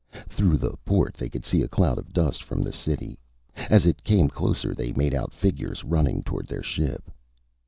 Through the port, they could see a cloud of dust from the city. As it came closer, they made out figures running toward their ship.